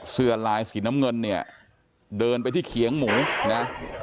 เสื้อลายสีน้ำเงินเนี่ยเดินไปที่เขียงหมูนะ